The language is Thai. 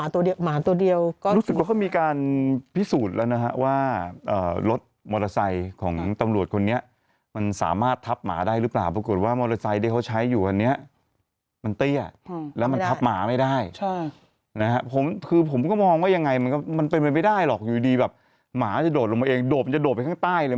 ตัวเดียวหมาตัวเดียวก็รู้สึกว่าเขามีการพิสูจน์แล้วนะฮะว่ารถมอเตอร์ไซค์ของตำรวจคนนี้มันสามารถทับหมาได้หรือเปล่าปรากฏว่ามอเตอร์ไซค์ที่เขาใช้อยู่อันเนี้ยมันเตี้ยแล้วมันทับหมาไม่ได้นะฮะผมคือผมก็มองว่ายังไงมันก็มันเป็นไปไม่ได้หรอกอยู่ดีแบบหมาจะโดดลงมาเองโดดมันจะโดดไปข้างใต้เลย